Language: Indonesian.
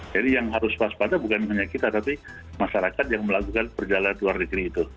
jadi yang harus puas padaan bukan hanya kita tapi masyarakat yang melakukan perjalanan luar negeri itu